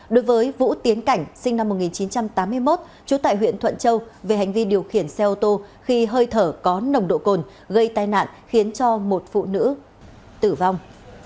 đối với vũ tiến cảnh sinh năm một nghìn chín trăm tám mươi một trú tại huyện thuận châu về hành vi điều khiển xe ô tô khi hơi thở có nồng độ cồn gây tai nạn khiến cho một phụ nữ tử vong